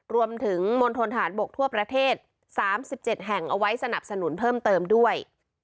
รวมถึงมณฑนฐานบกทั่วประเทศ๓๗แห่งเอาไว้สนับสนุนเพิ่มเติมด้วย